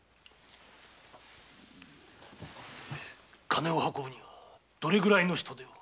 金を運ぶにはどのくらいの人手を？